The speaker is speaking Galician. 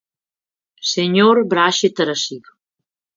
Señor Braxe Tarasido.